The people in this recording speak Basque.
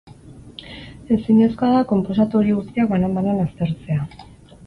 Ezinezkoa da konposatu horiek guztiak banan-banan aztertzea.